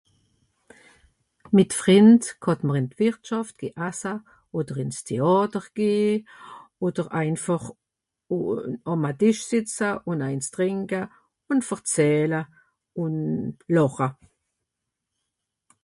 mìt frìnd kànnt m'r ìm wìrtschàft geh assa òder ìns théàter geh òder einfàch ow àm à tìsch sìtza ùn eins trìnka ùn verzähla ùn lòche